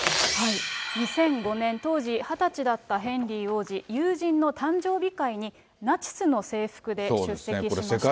２００５年、当時２０歳だったヘンリー王子、友人の誕生日会にナチスの制服で出席しました。